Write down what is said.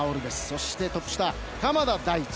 そしてトップ下、鎌田大地。